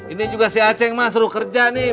ini juga si aceh yang mah suruh kerja nih